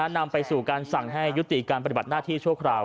นำไปสู่การสั่งให้ยุติการปฏิบัติหน้าที่ชั่วคราว